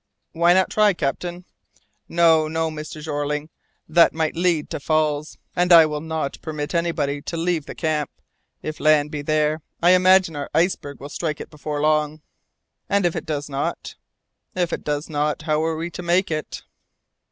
"Why not try, captain?" "No, no, Mr. Jeorling, that might lead to falls, and I will not permit anybody to leave the camp. If land be there, I imagine our iceberg will strike it before long." "And if it does not?" "If it does not, how are we to make it?"